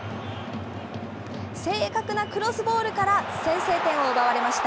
正確なクロスボールから先制点を奪われました。